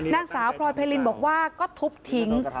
นางสาวพลอยไพรินบอกว่าก็ทุบทิ้ง